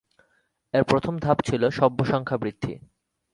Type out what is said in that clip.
এর প্রথম ধাপ ছিল সভ্য সংখ্যা বৃদ্ধি।